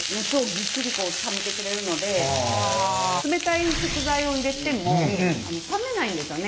冷たい食材を入れても冷めないんですよね。